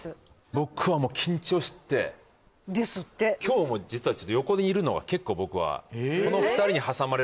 僕はもう緊張してですって横にいるのが結構僕はえっ？